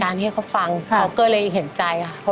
นานค่ะ